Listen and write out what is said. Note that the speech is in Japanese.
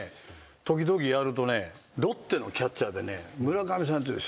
時々やるとねロッテのキャッチャーでね村上さんっていう人。